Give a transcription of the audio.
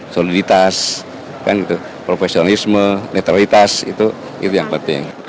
soliditas profesionalisme netralitas itu yang penting